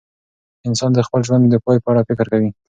انسان د خپل ژوند د پای په اړه فکر کوي.